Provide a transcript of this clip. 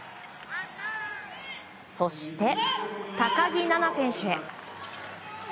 そして、高木菜那選手へ。